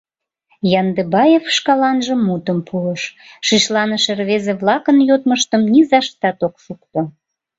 Яндыбаев шкаланже мутым пуыш: шишланыше рвезе-влакын йодмыштым низаштат ок шукто.